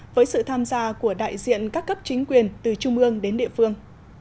với sự tham gia của đại diện các cấp chính quyền từ trung ương đến địa phương